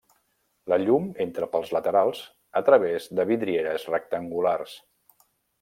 La llum entra pels laterals a través de vidrieres rectangulars.